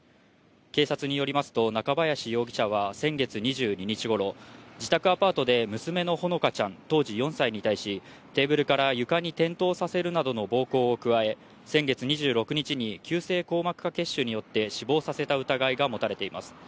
警察によりますと、中林容疑者は先月２２日ごろ、自宅アパートで娘のほのかちゃん当時４歳に対し、テーブルから床に転倒させるなどの暴行を加え、先月２６日に急性硬膜下血腫によって死亡させた疑いが持たれています。